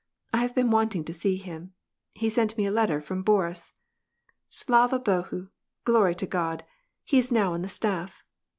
I have been wanting to see him. He sent me a letter from Boris.' Slava Bohu !— Glory to God ! —he is now on the staff."